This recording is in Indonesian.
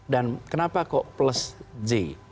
dan kenapa kok plus j